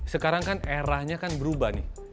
sekarang kan era nya kan berubah nih